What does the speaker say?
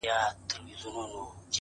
چاته يې لمنه كي څـه رانــه وړل،